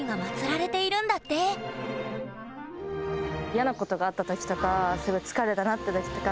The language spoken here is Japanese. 嫌なことがあった時とかすごい疲れたなって時とか